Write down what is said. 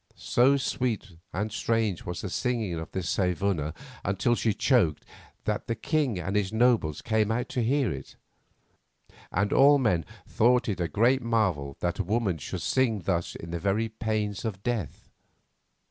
So sweet and strange was the singing of this Saevuna until she choked that the king and his nobles came out to hear it, and all men thought it a great marvel that a woman should sing thus in the very pains of death.